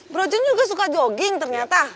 bro jun juga suka jogging ternyata